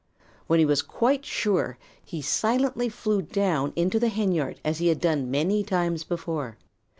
When he was quite sure, he silently flew down into the henyard as he had done many times before.